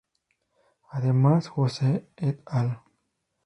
Además, Jose et al.